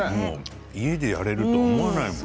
家でやれると思わないもん。